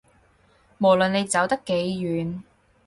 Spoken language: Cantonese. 無論你走得幾遠